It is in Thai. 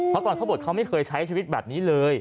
เพราะตอนเขาบวชเขาไม่เคยใช้ชีวิตแบบนี้เลย